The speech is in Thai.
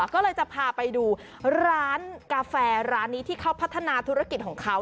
ก็เลยจะพาไปดูร้านกาแฟร้านนี้ที่เขาพัฒนาธุรกิจของเขา